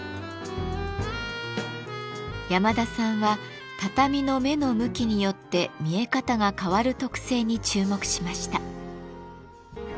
山田さんは畳の目の向きによって見え方が変わる特性に注目しました。